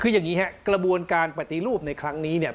คืออย่างนี้ครับกระบวนการปฏิรูปในครั้งนี้เนี่ย